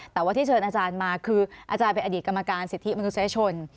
แต่ว่าที่เชิญอาจารย์มาคืออาจารย์เป็นอดีตกรรมการสิทธิมนุษยชน